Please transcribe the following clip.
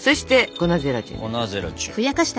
粉ゼラチン。